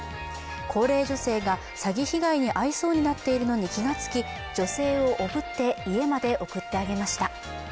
高齢女性が詐欺被害に遭いそうになっているのに気がつき女性をおぶって家まで送ってあげました。